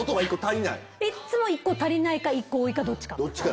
いっつも１個足りないか、１個多いか、どっちか。